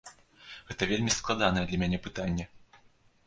Гэта вельмі складанае для мяне пытанне.